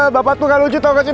bapak tuh gak lucu tau gak sih